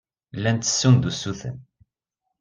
Llan ttessun-d usuten.